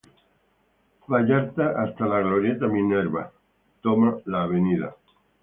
Vallarta hasta la Glorieta Minerva, toma Av.